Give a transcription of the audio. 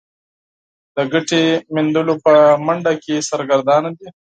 د ګټې موندلو په منډه کې سرګردانه دي.